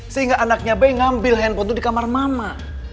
sehingga anaknya be mengambil handphone itu di kamar mama